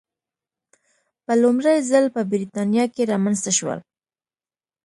په لومړي ځل په برېټانیا کې رامنځته شول.